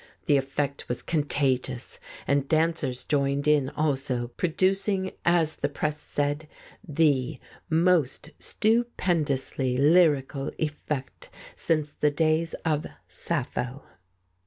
The effect was contagious, and dancers joined in also, producing, as the press said, the "most stupendously lyrical effect since the days of Sappho."